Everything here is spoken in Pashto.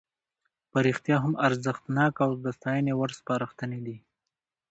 په رښتیا هم ارزښتناکه او د ستاینې وړ سپارښتنې دي.